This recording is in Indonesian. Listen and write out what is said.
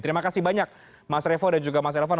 terima kasih banyak mas revo dan juga mas elvan